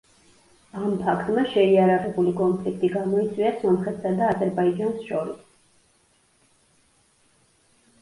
ამ ფაქტმა შეიარაღებული კონფლიქტი გამოიწვია სომხეთსა და აზერბაიჯანს შორის.